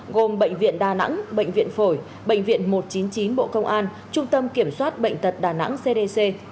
gồm bệnh viện đà nẵng bệnh viện phổi bệnh viện một trăm chín mươi chín bộ công an trung tâm kiểm soát bệnh tật đà nẵng cdc